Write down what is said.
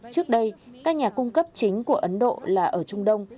trước đây các nhà cung cấp chính của ấn độ là ở trung đông